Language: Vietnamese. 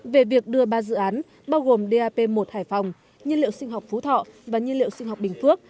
về việc đưa ba dự án bao gồm dap một hải phòng nhiên liệu sinh học phú thọ và nhiên liệu sinh học bình phước